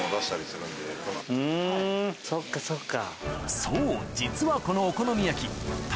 ふんそっかそっか。